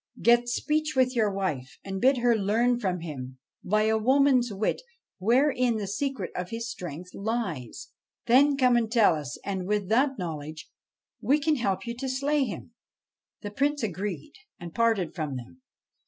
Get speech with your wife, and bid her learn from him, by a woman's wit, wherein the secret of his strength lies. Then come and tell us ; and, with that knowledge, we can help you to slay him.' The Prince agreed, and parted from them.